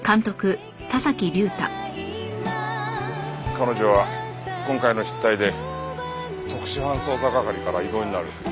彼女は今回の失態で特殊犯捜査係から異動になる。